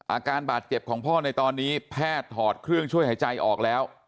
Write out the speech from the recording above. อาการบาดเจ็บของพ่อในตอนนี้แพทย์ถอดเครื่องช่วยหายใจออกแล้ว